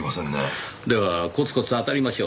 ではコツコツ当たりましょう。